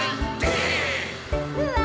うわ！